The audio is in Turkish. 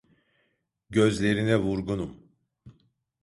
Gözlerine vurgunum.